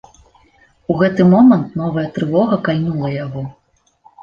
У гэты момант новая трывога кальнула яго.